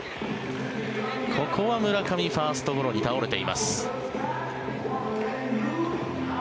ここは村上、ファーストゴロに倒れています。